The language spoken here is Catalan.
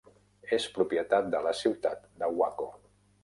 És propietat de la ciutat de Waco.